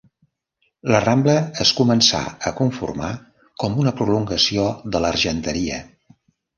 La Rambla es començà a conformar com una prolongació de l'Argenteria.